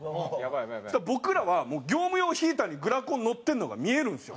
そしたら僕らは業務用ヒーターにグラコンのってるのが見えるんですよ。